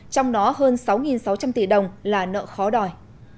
trong đó hơn sáu sáu trăm linh tỷ đồng là nợ khó đòi